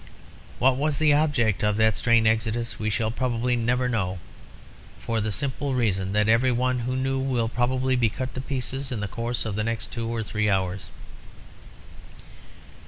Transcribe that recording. What was the object of that strange exodus we shall probably never know, for the simple reason that every one who knew will probably be cut to pieces in the course of the next two or three hours.